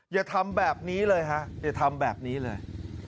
อย่าทำแบบนี้เลยฮะอย่าทำแบบนี้เลย